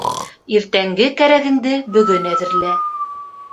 Иртәнге кәрәгеңде бөгөн әҙерлә.